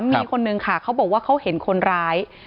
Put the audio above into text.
มีคนนึงค่ะเขาบอกว่าเขาเห็นคนร้าย